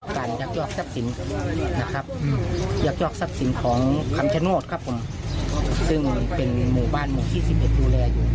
การยักษ์ยอกทรัพย์สินของคำชโนธครับผมเป็นหมู่บ้านหมู่๒๑ดูแล